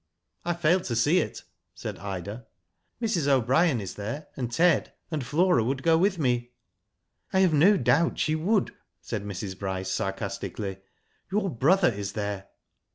" I fail to see it/' said Ida. *^Mrs. O'Brien is there, and Ted, and Flora would go with me." " I have no doubt she would," said Mrs. Bryce, sarcastically. '*Your brother is there."